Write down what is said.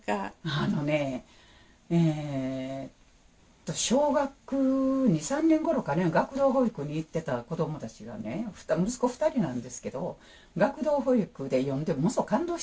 あのね小学２３年頃かな学童保育に行ってた子どもたちがね息子２人なんですけど学童保育で読んでものすごい感動したんでしょう。